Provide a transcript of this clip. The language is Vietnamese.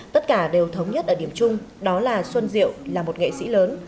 tất cả đều thống nhất ở điểm chung đó là xuân diệu là một nghệ sĩ lớn